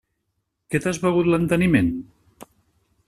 Que t'has begut l'enteniment?